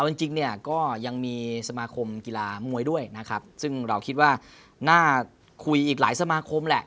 เอาจริงก็ยังมีสมาคมกีฬามวยด้วยซึ่งเราคิดว่าน่าคุยอีกหลายสมาคมแหละ